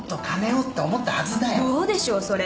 どうでしょうそれ。